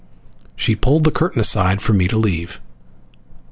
She pulled the curtain aside for me to leave.